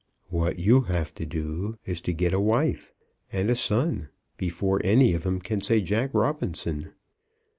"What you have to do is to get a wife, and a son before any of 'em can say Jack Robinson.